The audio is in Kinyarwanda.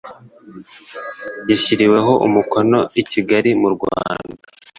yashyiriweho umukono i Kigali mu Rwanda